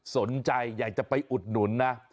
สนใจอยากจะไปอุดหนุนนะ